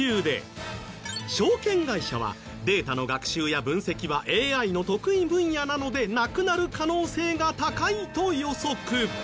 証券会社はデータの学習や分析はＡＩの得意分野なのでなくなる可能性が高いと予測。